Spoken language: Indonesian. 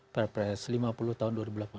perpres lima puluh tahun dua ribu delapan belas